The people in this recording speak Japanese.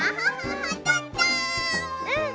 うん！